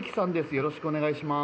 よろしくお願いします。